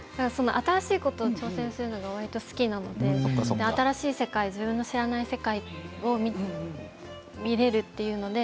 新しいことに挑戦するのが好きなので新しい世界、自分が知らない世界を見られるというので